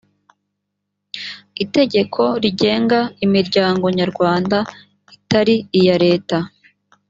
itegeko rigenga imiryango nyarwanda itari iya leta.